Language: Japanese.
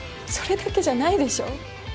それだけじゃないでしょ